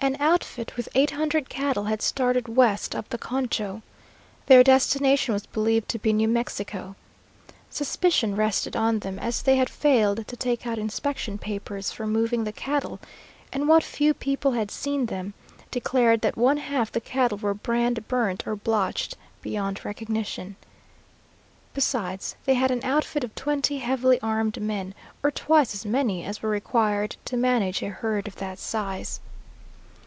An outfit with eight hundred cattle had started west up the Concho. Their destination was believed to be New Mexico. Suspicion rested on them, as they had failed to take out inspection papers for moving the cattle, and what few people had seen them declared that one half the cattle were brand burnt or blotched beyond recognition. Besides, they had an outfit of twenty heavily armed men, or twice as many as were required to manage a herd of that size.